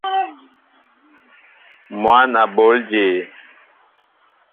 Mwăn a bǒl jě ?